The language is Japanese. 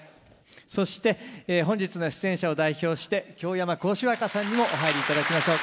そして本日の出演者を代表して京山幸枝若さんにもお入りいただきましょう。